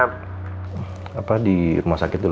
apa kayaknya apa di rumah sakit dulu ya